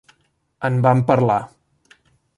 En vam parlar.